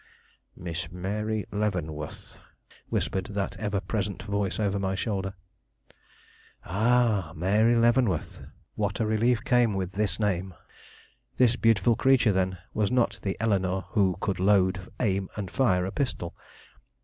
"Miss Mary Leavenworth," whispered that ever present voice over my shoulder. Ah! Mary Leavenworth! What a relief came with this name. This beautiful creature, then, was not the Eleanore who could load, aim, and fire a pistol.